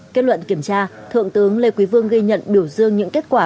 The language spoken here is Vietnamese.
kết luận kiểm tra thượng tướng lê quý vương ghi nhận biểu dương những kết quả